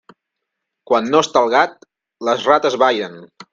Quan no està el gat, les rates ballen.